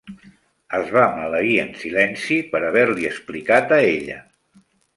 Es va maleir en silenci per haver-li explicat a ella.